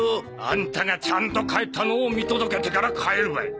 あんたがちゃんと帰ったのを見届けてから帰るばい。